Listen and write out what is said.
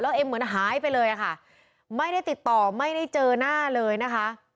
เอ็มเหมือนหายไปเลยอะค่ะไม่ได้ติดต่อไม่ได้เจอหน้าเลยนะคะ